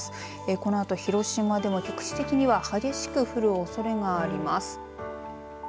このあと広島でも局地的に激しく降るおそれがあります。